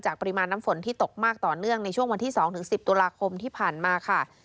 ปริมาณน้ำฝนที่ตกมากต่อเนื่องในช่วงวันที่๒๑๐ตุลาคมที่ผ่านมาค่ะ